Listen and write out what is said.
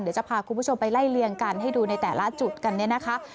เดี๋ยวจะพาคุณผู้ชมไปไล่เลี่ยงกันให้ดูในแต่ละจุดกันเนี่ยนะคะ